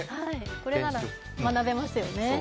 これなら学べますよね。